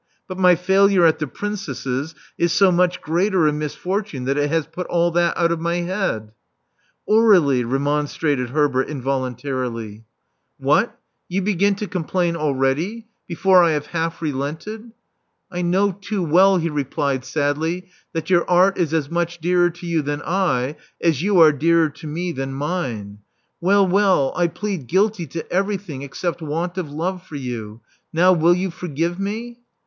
But my failure at the Princess's is so much greater a misfortune that it has put all that out of my head. "Aur^lie, remonstrated Herbert involuntarily. 378 Love Among the Artists "What! You begin to complain already — before I have half relented?" •*I know too well/* he replied sadly, "that your art is as much dearer to you than I, as you are dearer to me than mine. Well, well, I plead guilty to every thing except want of love for you. Now will you forgive me?"